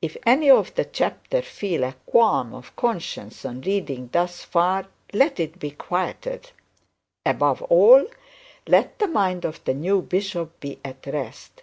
If any of the chapter feel a qualm of conscience on reading this, let it be quieted. Above all, let the mind of the new bishop be at rest.